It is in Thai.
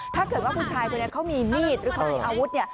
ถ้าเกิดว่าผู้ชายเขามีมีดหรือมีอาวุธ